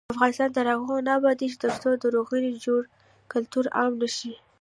افغانستان تر هغو نه ابادیږي، ترڅو د روغې جوړې کلتور عام نشي.